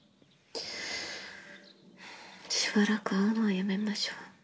しばらく会うのはやめましょう。